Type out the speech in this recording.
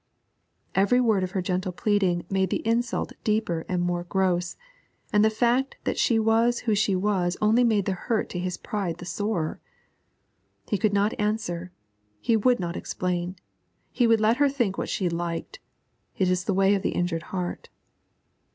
Every word of her gentle pleading made the insult deeper and more gross, and the fact that she was who she was only made the hurt to his pride the sorer. He would not answer; he would not explain; he would let her think what she liked; it is the way of the injured heart.